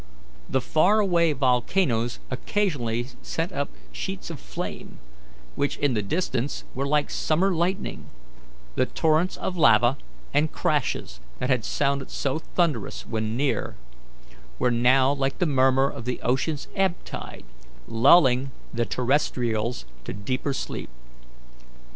The far away volcanoes occasionally sent up sheets of flame, which in the distance were like summer lightning; the torrents of lava and crashes that had sounded so thunderous when near, were now like the murmur of the ocean's ebb tide, lulling the terrestrials to deeper sleep.